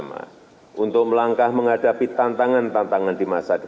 penyelenggaraan yang berbeda penyelenggaraan yang berbeda